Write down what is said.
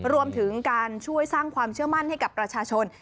รวมถึงการช่วยสร้างความเชื่อมั่นให้กับประชาชน